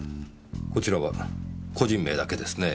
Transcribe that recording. こちらは個人名だけですね。